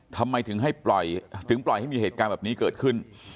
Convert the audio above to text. ทำไมถึงให้ปล่อยถึงปล่อยให้มีเหตุการณ์แบบนี้เกิดขึ้น